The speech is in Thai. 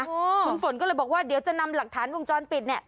คุณฝนก็เลยบอกว่าเดี๋ยวจะนำหลักฐานวงจรปิดเนี่ย